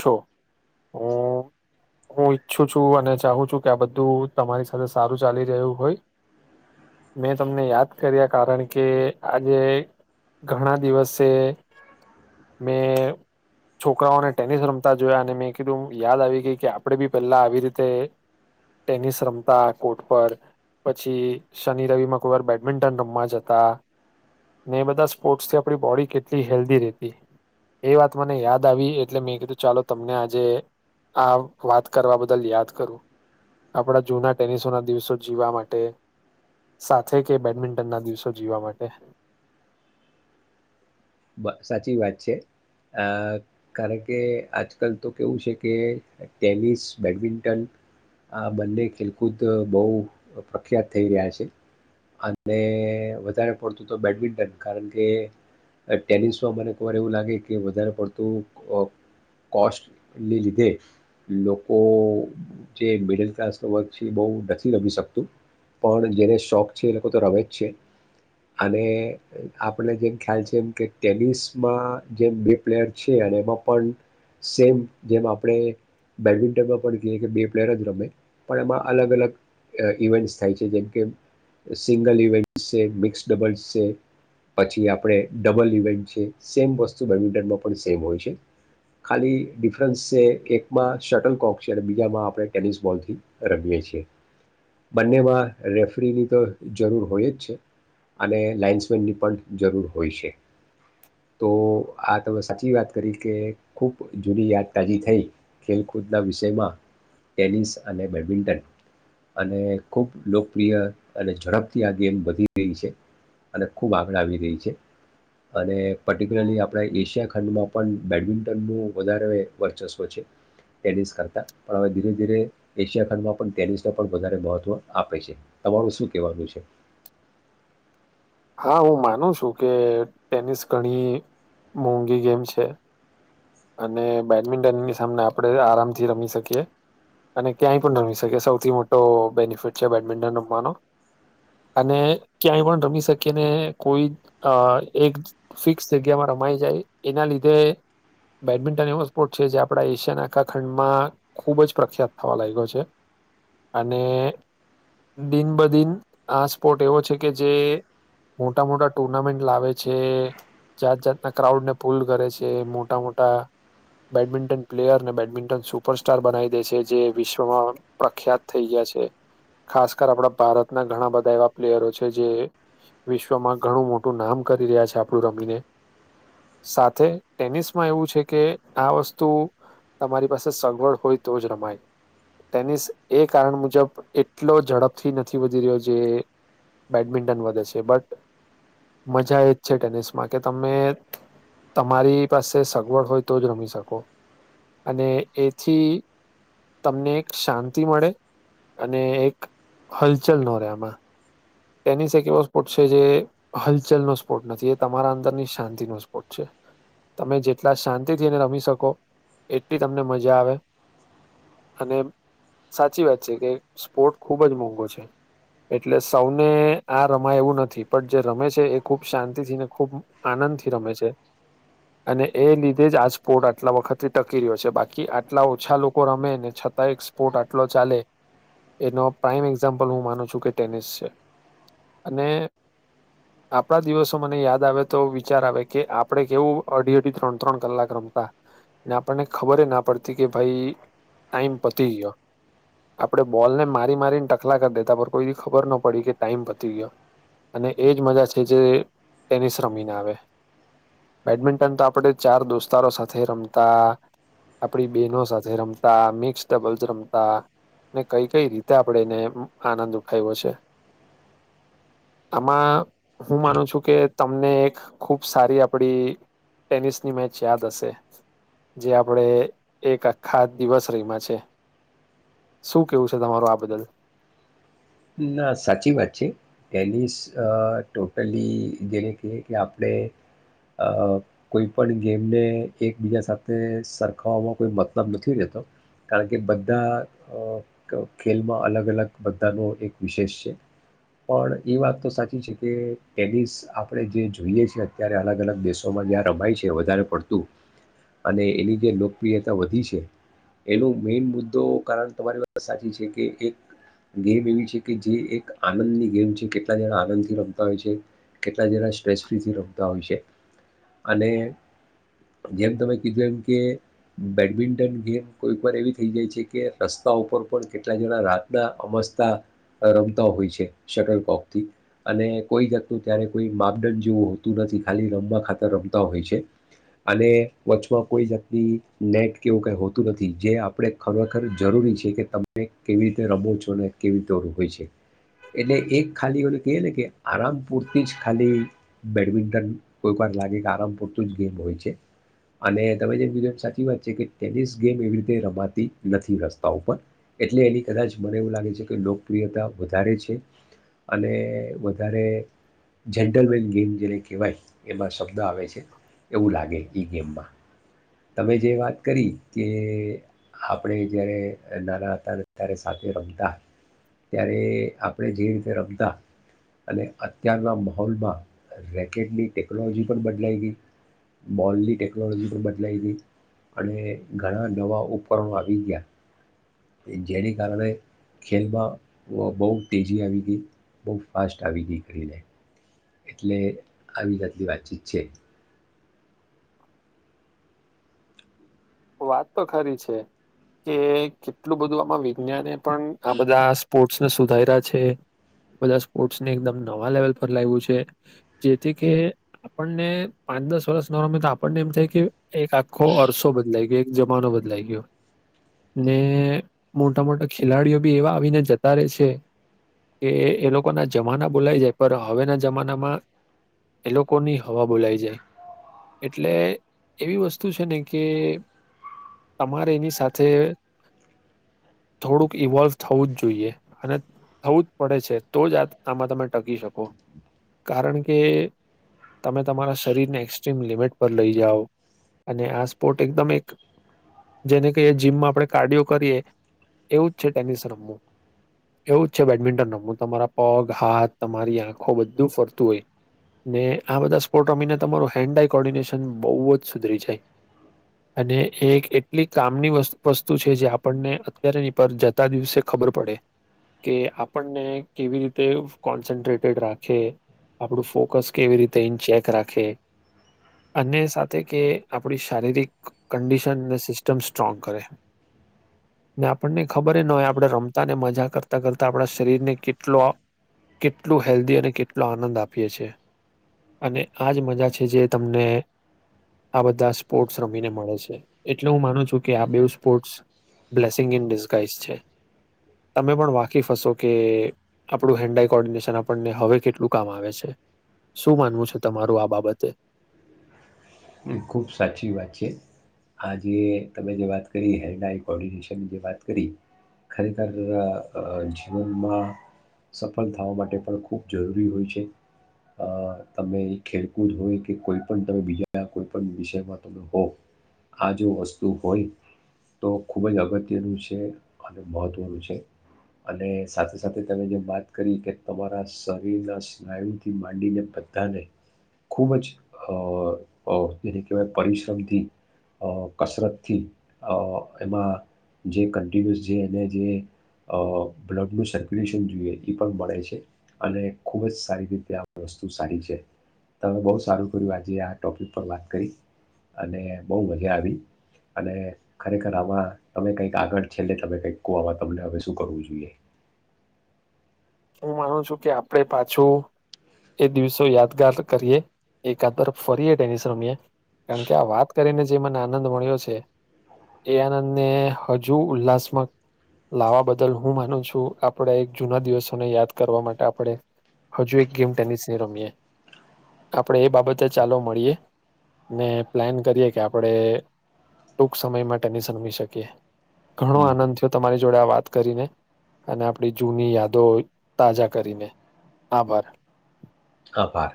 છો. હ હું ઈચ્છું છું, અને ચાહું છું, કે આ બધું તમારી સાથે સારું ચાલી રહ્યું હોય, મેં તમને યાદ કર્યા કારણ કે આજે ઘણા દિવસે મેં. છોકરાઓને. ટેનિસ રમતા જોયા અને મેં કીધું યાદ આવી ગઈ કે આપણે બી પહેલા આવી રીતે ટેનિસ રમતા કોર્ટ પર પછી શનિ રવિમાં કોઈ વાર બેડમિન્ટન રમવા જતા ને એ બધા સ્પોર્ટ્સ થી આપણી બોડી કેટલી હેલ્ધી રહેતી એ વાત મને યાદ આવી. એટલે મેં કીધું ચાલો તમને આજે આ વાત કરવા બદલ યાદ કરું આપણા જૂના ટેનિસોના દિવસો જીવવા માટે સાથે કે બેડમિન્ટન ના દિવસો જીવવા માટે. સાચી વાત છે આ કારણ કે આજકાલ તો કેવું છે કે ટેનિસ બેડમિન્ટન આ બંને ખેલકૂદ બહુ પ્રખ્યાત થઈ રહ્યા છે અને વધારે પડતું તો બેડમિન્ટન કારણ કે. ટેનિસમાં મને એકવાર એવું લાગે કે વધારે પડતું કોસ્ટને લીધે લોકો જે મિડલ ક્લાસનો વર્ક છે એ બહુ નથી રમી શકતું પણ જેને શોખ છે એ લોકો તો રમે જ છે. અને આપણે જેમ ખ્યાલ છે, એમ. કે ટેનિસમાં જેમ બે પ્લેયર છે અને એમાં પણ સેમ જેમ આપણે બેડમિન્ટનમાં પણ કહીએ કે બે પ્લેયર જ રમે પણ એમાં અલગ અલગ ઇવેન્ટ્સ થાય છે. જેમ કે સિંગલ ઇવેન્ટસ છે મિક્સ ડબલ્સ છે પછી આપણે. ડબલ ઇવેન્ટ છે સેમ વસ્તુ બેડમિન્ટનમાં પણ સેમ હોય છે ખાલી ડિફરન્સ છે એકમાં શટલકોક છે અને બીજામાં આપણે ટેનિસ બોલથી રમીએ છીએ બંનેમાં રેફરીની તો જરૂર હોય જ છે. અને લાઇન્સમેનની પણ જરૂર હોય. શે. તો. આ તમે સાચી વાત કરી કે ખૂબ જૂની યાદ તાજી થઈ ખેલકૂદના વિષયમાં ટેનિસ અને બેડમિન્ટન અને ખૂબ લોકપ્રિય અને ઝડપથી આ ગેમ વધી રહી છે. અને ખૂબ આગળ આવી રહી છે. અને પર્ટિક્યુલરલી આપણે એશિયા ખંડમાં પણ બેડમિન્ટનનું વધારે વર્ચસ્વ છે ટેનિસ કરતાં પણ હવે, ધીરે ધીરે એશિયા ખંડમાં પણ ટેનિસને પણ વધારે મહત્વ આપે છે તમારું શું કહેવાનું છે. હા, હું માનું છું કે ટેનિસ ઘણી મોંઘી ગેમ છે. અને બેડમિન્ટનની સામને આપણે આરામથી રમી શકીએ અને ક્યાંય પણ રમી શકીએ સૌથી મોટો બેનિફિટ છે બેડમિન્ટન રમવાનો અને ક્યાંય પણ રમી શકીએ. ને કોઈ એક ફિક્સ જગ્યામાં રમાઈ જાય એના લીધે. બેડમિન્ટન એવો સ્પોર્ટ છે, જે આપડા એશિયા નાખા ખંડમાં ખુબ જ પ્રખ્યાત થવા લાગ્યો છે અને દિન બ દિન આ સ્પોર્ટ એવો છે કે જે મોટા મોટા ટુર્નામેન્ટ લાવે છે, જાત જાતના ક્રાઉડને પૂલ કરે છે મોટા મોટા. બેડમિન્ટન પ્લેયર ને બેડમિન્ટન સુપરસ્ટાર બનાવી દે છે. જે વિશ્વમાં પ્રખ્યાત થઈ ગયા છે ખાસ કર આપણા ભારતના ઘણા બધા એવા પ્લેયરો છે જે વિશ્વમાં ઘણું મોટું નામ કરી રહ્યા છે. આપણું રમીને સાથે ટેનિસ. માં એવું છે કે આ વસ્તુ તમારી પાસે સગવડ હોય તો જ રમાય ટેનિસ એ કારણ મુજબ એટલો ઝડપથી નથી વધી રહ્યો જે બેડમિન્ટન વધે છેબટ મજા એ જ છે ટેનિસમાં કે તમે તમારી. પાસે સગવડ હોય તો જ રમી શકો, અને એથી તમને એક શાંતિ મળે અને એક હલચલ ન રે આમાં. ટેનિસ એક એવો સ્પોર્ટ છે. જે હલચલનો સ્પોર્ટ નથી એ તમારા અંદરની શાંતિનો સ્પોર્ટ છે. તમે જેટલા શાંતિથીને રમી શકો એટલી તમને મજા આવે અને સાચી વાત છે કે સ્પોર્ટ ખૂબ જ મોંઘો છે. એટલે. સૌને આ રમાય એવું નથી, પણ જે રમે છે એ ખૂબ શાંતિથી ને ખૂબ આનંદથી રમે છે. અને એ લીધે જ આ સ્પોર્ટ આટલા વખતથી ટકી રહ્યો છે બાકી આટલા ઓછા લોકો રમે ને છતાં એક સ્પોર્ટ આટલો ચાલે એનો પ્રાઇમ એક્ઝામ્પલ હું માનું છું કે ટેનિસ છે. અને આપડા દિવસો મને, યાદ આવે તો વિચાર આવે કે આપડે કેવું, અઢી અઢી ત્રણ ત્રણ કલાક રમતા આપણને ખબર ના પડતી કે ભાઈ ટાઈમ પતી ગયો આપડે બોલ ને મારી મારીને ટકલા કરી દેતા પર કોઈ ખબર ના પડ પડી કે ટાઈમ પતી ગયો અને એજ મજા છે, જે ટેનિસ રમીને આવે બેડમિન્ટન તો આપણે ચાર દોસ્તારો સાથે રમતા આપડી બેહેનો સાથે રમતા મિક્સ ડબલ્સ રમતા અને કઈ કઈ રીતે આપણે એને આનંદ ઉઠાય્યો છે. આમાં હું માનું છું, કે તમને એક ખુબ સારી આપડી ટેનિસની મેચ યાદ હશે. જે આપણે એક આખા દિવસ રહીમાં છે શું કેવું છે. તમારો આ બદલ ના સાચી વાત છે, ટેનિસ ટોટલી જેને કહીએ કે, આપણે કોઈ પણ ગેમને એકબીજા સાથે સરખાવવામાં કોઈ મતલબ નથી. રહેતો કારણ કે બધા ખેલમાં અલગ અલગ બધાનો એક વિશેષ છે પણ એ વાત તો સાચી છે. કે ટેનિસ આપણે જે જોઈએ છે અત્યારે અલગ અલગ દેશોમાં જ્યાં રમાય છે વધારે પડતું અને એની જે લોકપ્રિયતા વધી છે એનું મેઇન મુદ્દો કારણ તમારી વાત સાચી છે કે, એક ગેમ એવી છે. જે એક આનંદની ગેમ છે કેટલા જણા આનંદથી રમતા હોય છે કેટલા જણા સ્ટ્રેસ ફ્રીથી રમતા હોય છે અને જેમ તમે કીધું એમ કે બેડમિન્ટન ગેમ કોઈક વાર એવી થઈ જાય છે, કે રસ્તા ઉપર પણ કેટલા જણા રાતના અમસ્તા રમતા હોય છે, શટરકોપથી અને કોઈ જાતનું ત્યારે કોઈ માપદંડ જેવું હોતું નથી ખાલી રમવા ખાતર રમતા હોય છે અને વચમાં કોઈ જાતની નેટ કેવું કઈ હોતું નથી જે આપણે ખરેખર જરૂરી છે કે તમે કેવી રીતે રમો છો ને કેવી હોય છે એટલે એક ખાલી એને કહી ને કે આરામ પૂરતી જ ખાલી બેડમિન્ટન કોઈક વાર લાગે કે આરામ પૂરતું જ ગેમ હોય છે અને તમે જેમ બીજ સાચી વાત છે. કે ટેનિસ ગેમ એવી રીતે રમાતી નથી રસ્તા ઉપર એટલે એની કદાચ મને, એવું લાગે છે કે લો લોપ્રિયતા વધારે છે. અને વધારે જેન્ટલમેન ગેમ જેને કહેવાય. એમાં સ આવે છે. એવું લાગે. એ ગેમમાં. તમે, જે વાત કરી કે આપણે જય્યારે નાના હતા. ત્યારે સાથે રમતા ત્યારે આપણે જે રીતે રમતા અને અત્યારના માહોલમાં રેકેટની ટેકનોલોજી પણ, બદલાઈ ગઈ બોલની ટેકનોલોજી પણ બદલા લઈ ગઈ અને ઘણા દવા ઉપરમાં આવી ગયા. જેને, કારણે ખેલમાં બહુ તેજી આવી ગઈ બહુ ફાસ્ટ આવી ગઈ કરીને એટલે આવી જાટલી વાતચીત છે વાત તો ખરી છે કે કેટલું બધું આમાં વિજ્ઞાને પણ આ બધા સ્પોર્ટસને સુધાર્યા છે. બધા સ્પોર્ટ્સને એકદમ નવા લેવલ પર લાવ્યું છે જેથી કે આપણને પાંચ દસ વર્ષ ન રમે તો આપણને એમ થાય કે એક આપકો અરસો બધ.. તરીકે એક જમાનો બદલાઈ ગયો ને મોટા મોટા ખેલાડીઓ બી એવા આવીને જતા રહે છે કે એ લોકોના જમાના બોલાઈ જાય પર હવેના જમાનામાં એ લોકોની હવા બોલાઈ જાય એટલે એવી વસ્તુ છે ને કે તમારે એની સાથે થોડુંક ઈવોલ્વ થવું જ જોઈએ અને થવું જ પડે છે તો જ આ આમાં તમે ટકી શકો કારણ કે તમે તમારા શરીરને એક્સ્ટ્રીમ લિમિટ પર લઈ જાઓ અને આ સ્પોર્ટ એકદમ જેને કે જીમમાં આપણે કાર્ડિયો કરીએ એવું જ છે ટેનિસ રમવું એવું જ છે બેડમિન્ટન રમવું તમારા પગ હાથ તમારી આંખો બધું ફરતું હોય ને આ બધા સ્પોર્ટ રમીને તમારું હેન્ડ આઈ કોર્ડિનેશન બહુ જ સુધરી જાય. અને એ એક એટલી કામની વસ્તુ વસ્તુ છે જે આપણને અત્યારેની પર જતા દિવસે ખબર પડે કે આપણને કેવી રીતે કોન્સન્ટ્રેટેડ રાખે આપણું ફોકસ કેવી રીતે ઇન ચેક રાખે અને સાથે કે આપણી શારીરિક કડિશનને સિસ્ટમ સ્ટ્રોંગ કરે ને આપણને ખબર ન હોય આપણે રમતાને મજા કરતા કરતા આપણા શરીરને કેટલો કેટલું હેલ્ધી અને કેટલો આનંદ આપીએ છે અને આજ મજા છે જે તમને આ બધા સ્પોર્ટ્સ રમીને મળે છે એટલે હું માનું છું કે આ બે સ્પોર્ટ્સ બ્લેસિંગ ઈન ડિસગાઈશ છે તમે પણ વાકીફ હશો કે આપણું હેન્ડ કોર્ડિનેશન આપણને હવે કેટલું કામ આવે છે શું માનવું છે તમારું આ બાબતે. ખુબ સાચી વાત છે આજે તમે જે વાત કરી હેન્ડડાઈ કોર્ડિનેશનની જે વાત કરી ખરેખર અ જીવનમાં સફળ થવા માટે પણ ખૂબ જરૂરી હોય છે અ તમે ખેલકૂદ હોય કે કોઈ પણ તમે બીજા ત્યા કોઈ પણ વિષયમાં તમે હોવ આ જો વસ્તુ હોય તો ખૂબ જ અગત્યનું છે અને મહત્ત્વનું છે અને સાથે સાથે તમે જે વાત કરી કે તમારા શરીર એને કહેવાય અ પરિશ્રમથી અ કસરતથીઅ એમાં જે કન્ટિન્યુઅસ જે એને જે અ બ્લડનું સર્ક્યુલેશન જોઈએ એ પણ મળે છે અને ખૂબ જ સારી રીતે આ વસ્તુ સારી છે તમે બહુ સારું કર્યું આજે આ ટોપિક પર વાત કરી અને બહુ મજા આવી અને ખરેખર આમાં તમે કંઈક આગળ છેલ્લે તમે કઈક કો તમને હવે શું કરવું જોઈએ. હું માનું છું કે આપણે પાછું એ દિવસો યાદગાર કરીએ એકાદ તરફ ફરીએ ટેનિસ રમીએ કારણ કે આ વાત અતિયારે જે મને આનંદ મળ્યો છે એ આનંદને હજુ ઉલ્લાસમાં લાવવા બદલ હું માનું છું આપડે એક જૂના દિવસ યાદ કરવા માટે આપણે હજુ એક ગેમ ટેનિસની રમીએ આપણેે એ બાબતે ચાલો મળીએ ને પ્લાન કરીએ કે આપણે ટૂક સમયમાં ટેનિસ રમી શકીએ ઘણો હમ. આનંદ થયો તમારી જોડે આ વાત કરીને અને આપણી જૂની યાદો તાજા કરીને આભાર. આભાર.